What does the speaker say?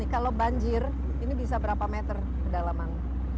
kalau banjir ini bisa berapa meter kedalaman